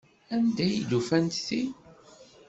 Anda ay d-ufant ti?